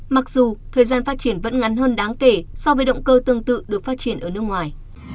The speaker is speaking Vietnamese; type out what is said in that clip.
mặc dù thời gian phát triển vẫn ngắn hơn đáng kể so với động cơ tương tự được phát triển ở nước ngoài